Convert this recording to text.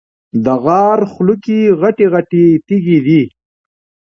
د غار خوله کې غټې غټې تیږې دي.